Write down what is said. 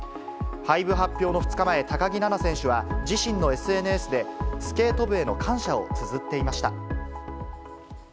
廃部発表の２日前、高木菜那選手は自身のＳＮＳで、スケート部への感謝をつづっていました。